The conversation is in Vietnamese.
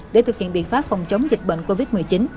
để thực hiện biện pháp phòng chống dịch bệnh covid một mươi chín